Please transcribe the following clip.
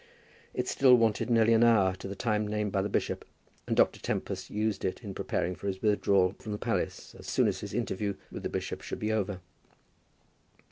It still wanted nearly an hour to the time named by the bishop, and Dr. Tempest used it in preparing for his withdrawal from the palace as soon as his interview with the bishop should be over.